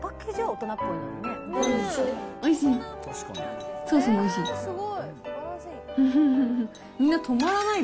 おいしい？